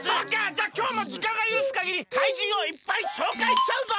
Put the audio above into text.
じゃあきょうもじかんがゆるすかぎり怪人をいっぱいしょうかいしちゃうぞ！